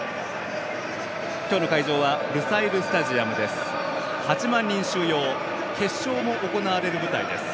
今日の会場はルサイルスタジアムです。